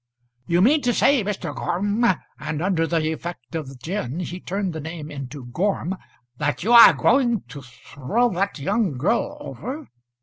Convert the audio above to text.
"You mean to say, Mr. Graham" and under the effect of gin he turned the name into Gorm "that you are going to throw that young girl over?"